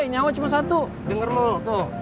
nyawa cuma satu denger lo tuh